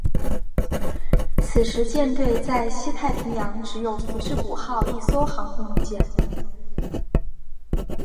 此时舰队在西太平洋只有福治谷号一艘航空母舰。